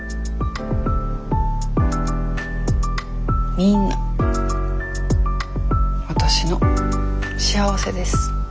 みんなわたしの幸せです。